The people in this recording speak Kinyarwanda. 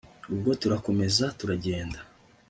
ubwo turakomeza turagenda